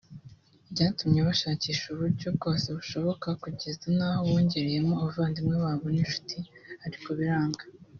Byatumye bashakisha uburyo bwose bushoboka kugeza n’aho bongereyemo abavandimwe babo n’inshuti ariko biranga